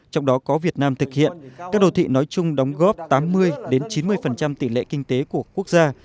trong đó có việt nam thực hiện các đồ thị nói chung đóng góp tám mươi chín mươi tỷ lệ kinh tế của quốc gia